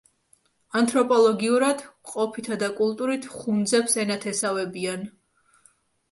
ანთროპოლოგიურად, ყოფითა და კულტურით ხუნძებს ენათესავებიან.